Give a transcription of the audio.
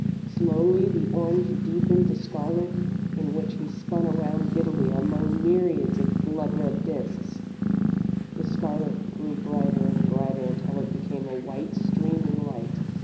Slowly the orange deepened to scarlet in which he spun around giddily among myriads of blood red disks. The scarlet grew brighter and brighter until it became a white, streaming light.